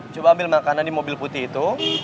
coba ambil makanan di mobil putih itu